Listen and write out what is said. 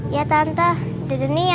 iya tante duduk nih ya